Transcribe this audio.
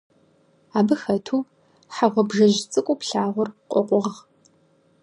Абы хэту, хьэ гъуабжэжь цӀыкӀуу плъагъур къокъугъ.